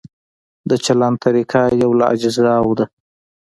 د چلند طریقه یو له اجزاوو ده.